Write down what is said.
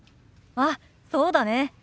あっそうだね。